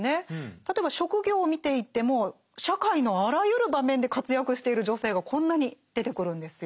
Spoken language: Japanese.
例えば職業を見ていても社会のあらゆる場面で活躍している女性がこんなに出てくるんですよ。